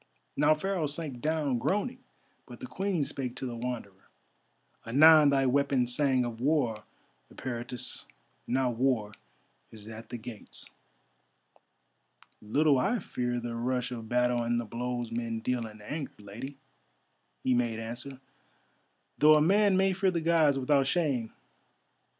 Now Pharaoh sank down groaning, but the Queen spake to the Wanderer: "Anon thy weapon sang of war, Eperitus; now war is at the gates." "Little I fear the rush of battle and the blows men deal in anger, Lady," he made answer, "though a man may fear the Gods without shame.